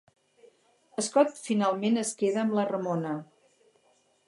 Scott finalment es queda amb la Ramona.